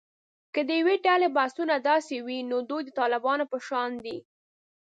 که د یوې ډلې بحثونه داسې وي، نو دوی د طالبانو په شان دي